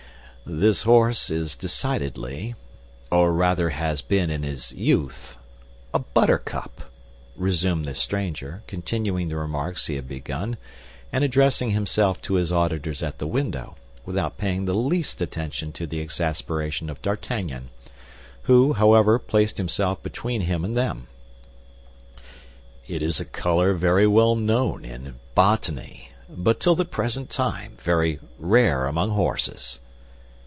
"This horse is decidedly, or rather has been in his youth, a buttercup," resumed the stranger, continuing the remarks he had begun, and addressing himself to his auditors at the window, without paying the least attention to the exasperation of D'Artagnan, who, however, placed himself between him and them. "It is a color very well known in botany, but till the present time very rare among horses."